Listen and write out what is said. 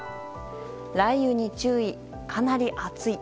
雷雨に注意、かなり暑い。